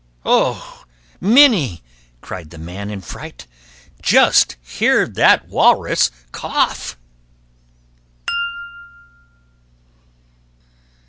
"Oh, Minnie," cried the man in fright, "Just hear that walrus cough!"